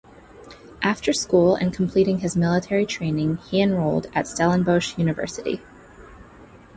After school and completing his military training he enrolled at Stellenbosch University.